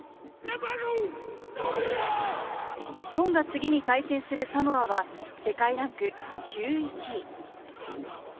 日本が次に対戦するサモアは世界ランク１１位。